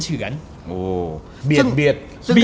เบียด